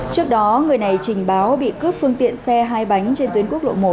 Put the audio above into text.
trước đó người này trình báo bị cướp phương tiện xe hai bánh trên tuyến quốc lộ một